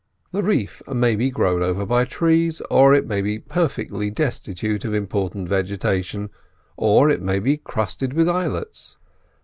The reef may be grown over by trees, or it may be perfectly destitute of important vegetation, or it may be crusted with islets.